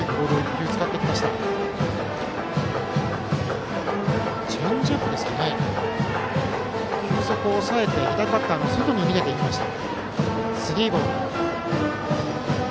球速を抑えて左バッターの外に逃げていきました。